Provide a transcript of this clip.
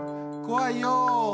こわいよ！